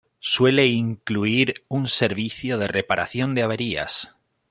Suele incluir un servicio de reparación de averías.